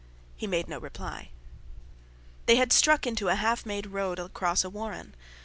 He made no reply. They had struck into a half made road across a warren.